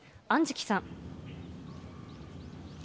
安食さん。